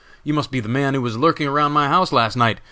You must be the man who was lurking around my house last night!